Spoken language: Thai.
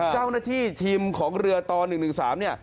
เจ้าหน้าที่ทีมของเรือต่อ๑๑๓เนี่ย